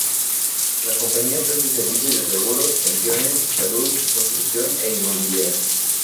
La compañía ofrece servicios de seguros, pensiones, salud, construcción e inmobiliaria.